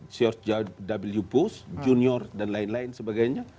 george w bush junior dan lain lain sebagainya